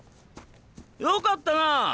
よかったなあ。